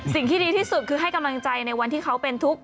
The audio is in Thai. สิ่งที่ดีที่สุดคือให้กำลังใจในวันที่เขาเป็นทุกข์